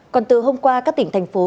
còn từ hôm qua các tỉnh thành phố